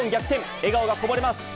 笑顔がこぼれます。